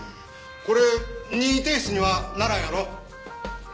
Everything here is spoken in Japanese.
これ任意提出にはならんやろ？